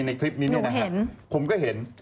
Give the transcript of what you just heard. ในคลิปนี้นะครับผมก็เห็น